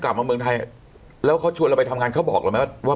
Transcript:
กลับมาเมืองไทยแล้วเขาชวนเราไปทำงานเขาบอกเราไหมว่า